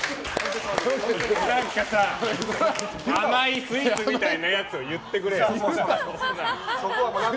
甘いスイーツみたいなやつを言ってくれよ。